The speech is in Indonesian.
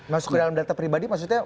masuk ke dalam data pribadi maksudnya